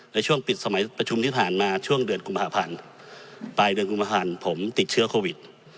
ในช่วงปิดสมัยประชุมที่ผ่านมาช่วงเดือนกุมภาพันธ์ปลายเดือนกุมภาพันธ์ผมติดเชื้อโควิด